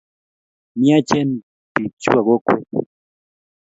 Miachen pik chu po kokwet.